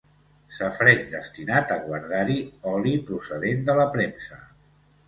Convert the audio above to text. Safareig destinat a guardar-hi oli procedent de la premsa.